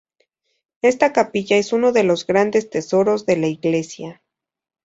Esta capilla es uno de los grandes tesoros de la iglesia.